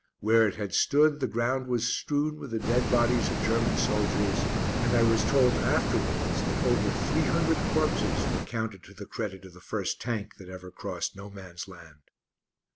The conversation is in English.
Where it had stood the ground was strewn with the dead bodies of German soldiers, and I was told afterwards that over three hundred corpses were counted to the credit of the first Tank that ever crossed "No Man's Land."